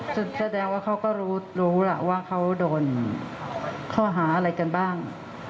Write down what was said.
แสดงว่าเขาก็รู้ล่ะว่าเขาโดนข้อหาอะไรกันบ้าง